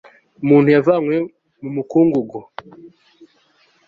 umuntu yavanywe mu mukungugu